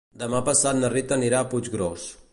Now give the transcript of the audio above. Demà passat na Rita anirà a Puiggròs.